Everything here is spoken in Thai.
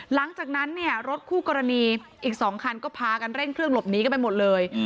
หลังจากนั้นเนี่ยรถคู่กรณีอีก๒คันก็พากันเร่งเครื่องหลบหนีกันไปหมดเลย